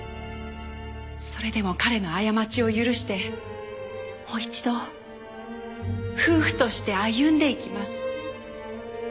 それでも彼の過ちを許してもう一度夫婦として歩んでいきます。